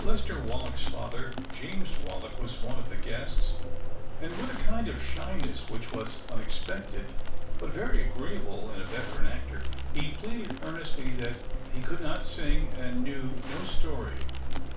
Lester Wallack's father, James Wallack, was one of the guests, and with a kind of shyness, which was unexpected but very agreeable in a veteran actor, he pleaded earnestly that he could not sing and knew no story.